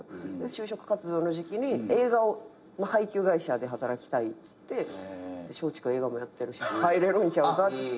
就職活動の時期に映画の配給会社で働きたいって松竹映画もやってるし入れるんちゃうかっつって。